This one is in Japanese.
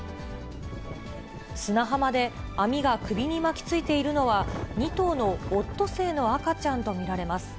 砂浜で網が首に巻きついているのは、２頭のオットセイの赤ちゃんと見られます。